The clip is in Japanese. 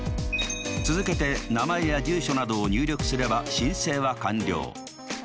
続けて名前や住所などを入力すれば申請は完了。